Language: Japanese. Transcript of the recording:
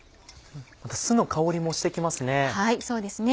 酢の香りもして来ますね。